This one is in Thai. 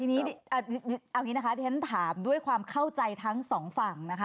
ทีนี้เอาอย่างนี้นะคะที่ฉันถามด้วยความเข้าใจทั้งสองฝั่งนะคะ